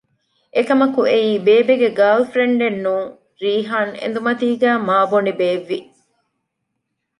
އެކަމަކު އެއީ ބޭބެގެ ގާރލް ފްރެންޑެއް ނޫން ރީޙާން އެނދުމަތީގައި މާބޮނޑި ބޭއްވި